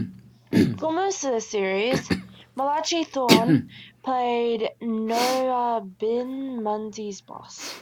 For most of the series, Malachi Throne played Noah Bain, Mundy's boss.